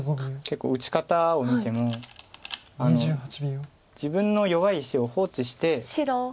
結構打ち方を見ても自分の弱い石を放置して。